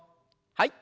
はい。